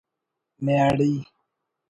نیاڑی